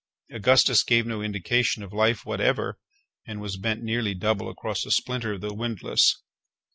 Augustus gave no indication of life whatever, and was bent nearly double across a splinter of the windlass.